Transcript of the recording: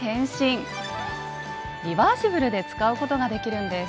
リバーシブルで使うことができるんです。